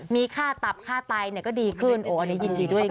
มีค่าตับค่าไตก็ดีขึ้นโอ้อันนี้ยินดีด้วยนะ